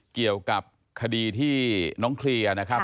เกี่ยวกับคดีที่น้องเคลียร์นะครับ